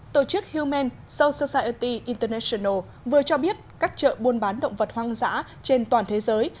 tổ chức human soussocirti international vừa cho biết các chợ buôn bán động vật hoang dã trên toàn thế giới